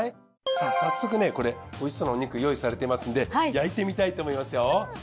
さあ早速これおいしそうなお肉用意されていますんで焼いてみたいと思いますよ。